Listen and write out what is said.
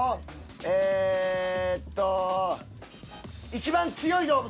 えっと「一番強い動物」。